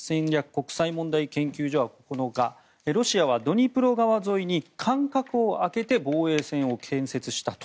国際問題研究所は９日ロシアはドニプロ川沿いに間隔を空けて防衛線を建設したと。